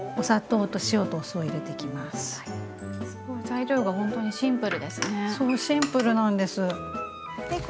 材料が本当にシンプルですね。